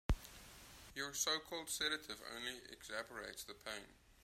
Your so-called sedative only exacerbates the pain.